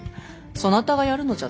そなたがやるのじゃぞ